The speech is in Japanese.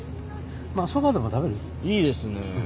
まあそばでも食べる？いいですね。